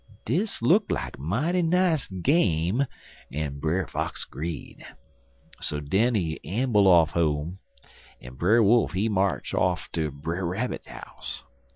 "Dis look like mighty nice game, en Brer Fox 'greed. So den he amble off home, en Brer Wolf, he march off ter Brer Rabbit house.